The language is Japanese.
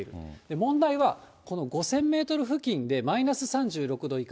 問題はこの５０００メートル付近でマイナス３６度以下。